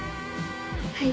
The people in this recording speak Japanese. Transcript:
はい。